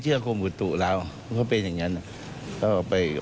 คือต้องแก้ไขไป